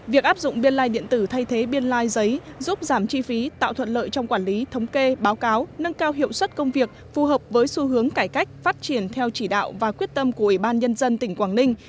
việc áp dụng biên lai điện tử thay thế biên lai giấy giúp giảm chi phí tạo thuận lợi trong quản lý thống kê báo cáo nâng cao hiệu suất công việc phù hợp với xu hướng cải cách phát triển theo chỉ đạo và quyết tâm của ủy ban nhân dân tỉnh quảng ninh